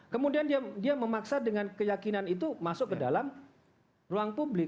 kemudian dia memaksa dengan keyakinan itu masuk ke dalam ruang publik